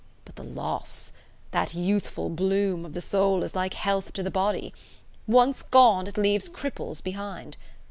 But the loss! That youthful bloom of the soul is like health to the body; once gone, it leaves cripples behind.